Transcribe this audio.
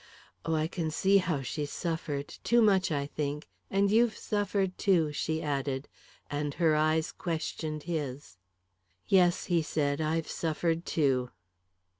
Oh, I can see how she's suffered! Too much, I think! And you've suffered, too," she added, and her eyes questioned his. "Yes," he said. "I've suffered too."